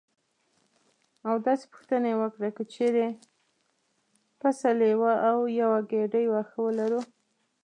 او داسې پوښتنه یې وکړه: که چېرې پسه لیوه او یوه ګېډۍ واښه ولرو.